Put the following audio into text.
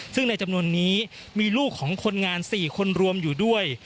ซึ่งในจำนวนนี้มีลูกของคนงาน๔คนรวมอยู่ด้วย